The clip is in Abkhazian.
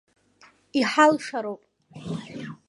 Иҳалшароуп!